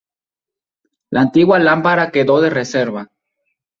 La antigua lámpara quedó de reserva.